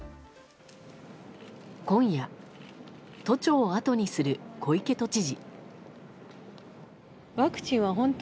今夜、都庁をあとにする小池都知事。